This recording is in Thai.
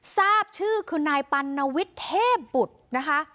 ทราบชื่อคือนายปัณวิทย์เทพบุตรนะคะ